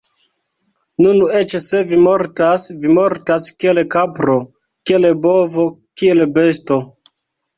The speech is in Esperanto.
Nun, eĉ se vi mortas, vi mortas kiel kapro, kiel bovo, kiel besto.